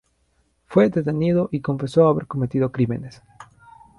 Fue detenido y confesó haber cometido crímenes.